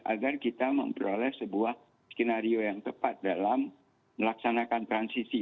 agar kita memperoleh sebuah skenario yang tepat dalam melaksanakan transisi